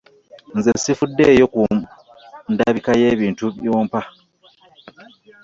Nze sifudeeyo kundabika y'ebintu by'ompa.